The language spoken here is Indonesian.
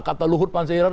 kata luhut pansyairat